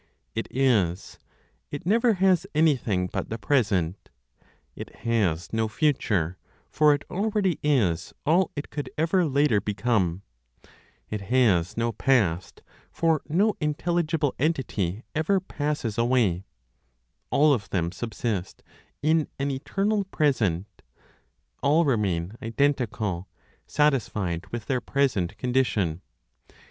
It is; it never has anything but the present; it has no future, for it already is all it could ever later become; it has no past, for no intelligible entity ever passes away; all of them subsist in an eternal present, all remain identical, satisfied with their present condition.